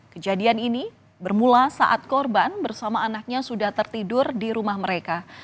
kejadian ini bermula saat korban bersama anaknya sudah tertidur di rumah mereka